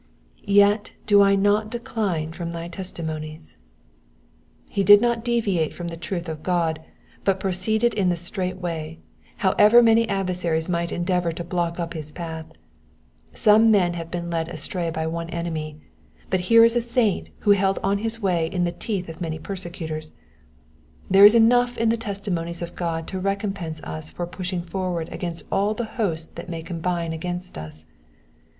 ret do I not decline from thy testimonies.'*'' He did not deviate from the truth of God, but pro ceeded in the straight way, however many adversaries might endeavour to block up his path. Some men have been led astray by one enemy, but here IS a saint who held on his way in the teeth of many persecutors: There is enough in the testimonies of God to recompense us for pushing forward against all the hosts that may combine against us.